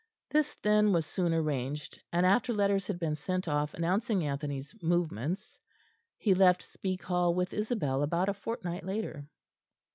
This, then, was soon arranged, and after letters had been sent off announcing Anthony's movements, he left Speke Hall with Isabel, about a fortnight later.